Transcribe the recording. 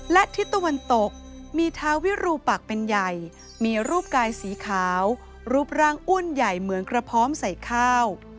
และทิศตะวันตกมีท้าวิรูปักเป็นใหญ่มีรูปกายสีขาวรูปร่างอ้วนใหญ่เหมือนกระพร้อมใส่ข้าว